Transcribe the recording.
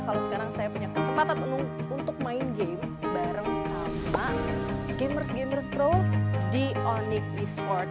kalau sekarang saya punya kesempatan untuk main game bareng sama gamers gamers pro di onic e sport